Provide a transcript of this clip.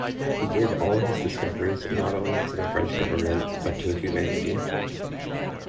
He gave all his discoveries not only to the French government but to humanity.